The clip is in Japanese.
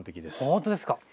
ほんとですか。